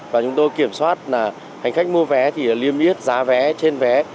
bên tôi kiểm soát là hành khách mua vé thì liêm yết giá vé trên vé